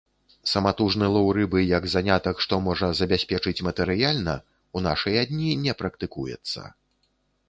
Саматужны лоў рыбы як занятак, што можа забяспечыць матэрыяльна, у нашыя дні не практыкуецца.